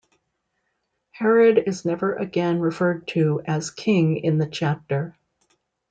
Herod is never again referred to as king in the chapter.